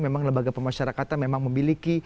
memang lembaga pemasyarakatan memang memiliki